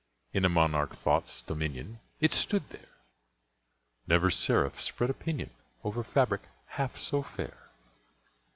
In the monarch Thought's dominion— It stood there! Never seraph spread a pinion Over fabric half so fair.